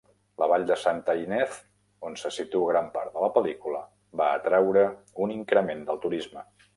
La vall de Santa Ynez, on se situa gran part de la pel·lícula, va atreure un increment del turisme.